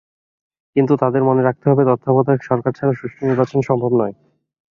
কিন্তু তাদের মনে রাখতে হবে তত্ত্বাবধায়ক সরকার ছাড়া সুষ্ঠু নির্বাচন সম্ভব নয়।